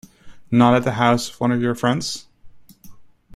Not at the house of one of your friends?